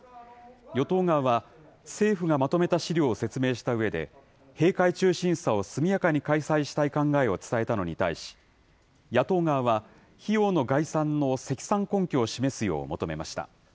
与党側は、政府がまとめた資料を説明したうえで、閉会中審査を速やかに開催したい考えを伝えたのに対し、野党側は、費用の概算の積算根拠を示すよう求めました。